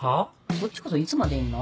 そっちこそいつまでいんの？